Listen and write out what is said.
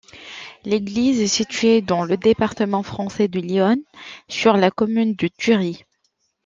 L'église est située dans le département français de l'Yonne, sur la commune de Thury.